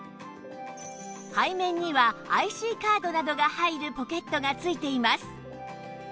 背面には ＩＣ カードなどが入るポケットが付いています